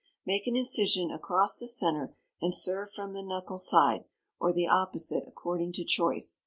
Make an incision across the centre, and serve from the knuckle side, or the opposite, according to choice.